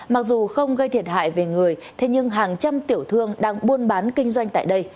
mặc dù không gây thiệt hại về người thế nhưng hàng trăm tiểu thương đang buôn bán kinh doanh tại đây